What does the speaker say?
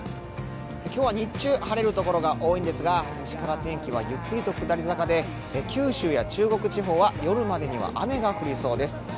今日は日中、晴れる所が多いんですが、西からゆっくりと天気は下り坂で、九州や中国地方は夜までには雨が降りそうです。